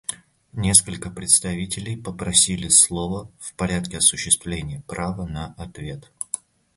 Несколько представителей попросили слова в порядке осуществления права на ответ.